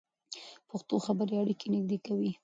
پښتو خبرې اړیکې نږدې کوي.